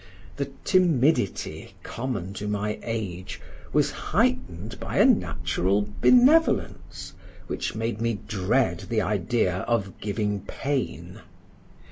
The timidity common to my age was heightened by a natural benevolence, which made me dread the idea of giving pain.